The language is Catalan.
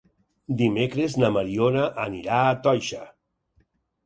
Dimecres na Mariona anirà a Toixa.